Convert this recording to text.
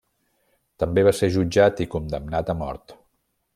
També va ser jutjat i condemnat a mort.